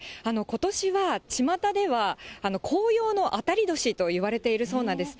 ことしはちまたでは、紅葉の当たり年といわれているそうなんです。